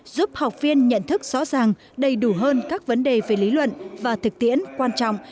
giúp học viên nhận thức rõ ràng đầy đủ hơn các vấn đề về lý luận và thực tiễn quan trọng